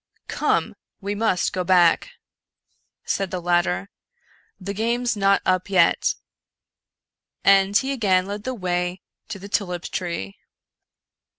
" Come ! we luust go back," said the latter, " the game's not up yet ;" and he again led the way to the tulip tree.